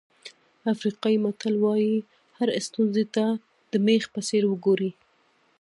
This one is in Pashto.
افریقایي متل وایي هرې ستونزې ته د مېخ په څېر وګورئ.